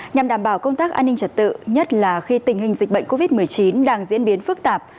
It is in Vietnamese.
nhằm đảm bảo công tác an ninh trật tự nhất là khi tình hình dịch bệnh covid một mươi chín đang diễn biến phức tạp